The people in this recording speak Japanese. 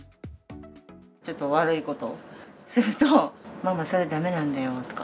ちょっと悪いことをすると、ママ、それだめなんだよとか。